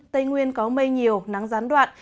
tây nguyên có mây nhiều nắng gián đoạn